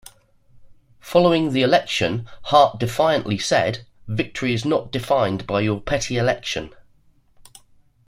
Following the election Hart defiantly said, Victory is not defined by your petty election.